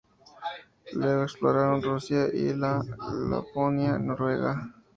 Luego exploraron Rusia y la Laponia noruega.